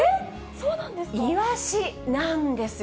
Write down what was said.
イワシなんですよ。